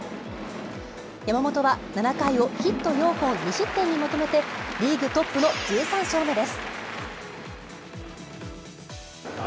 山本は７回をヒット４本、２失点にまとめてリーグトップの１３勝目です。